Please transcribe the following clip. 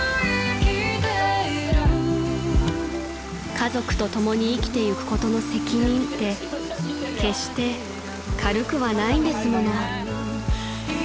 ［家族とともに生きてゆくことの責任って決して軽くはないんですもの］